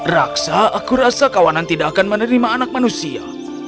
raksa aku rasa kawanan tidak akan menerima anak manusia